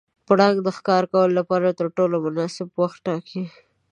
پړانګ د ښکار لپاره تر ټولو مناسب وخت ټاکي.